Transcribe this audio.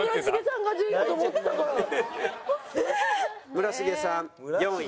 村重さん４位。